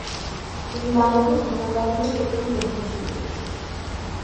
তিনি বাংলাদেশ বিমান বাহিনীর প্রথম প্রধান ছিলেন।